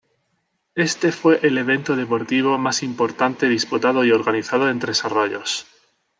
Este fue el evento deportivo más importante disputado y organizado en Tres Arroyos.